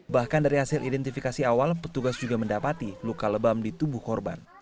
bahkan dari hasil identifikasi awal petugas juga mendapati luka lebam di tubuh korban